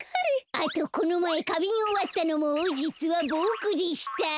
あとこのまえかびんをわったのもじつはボクでした。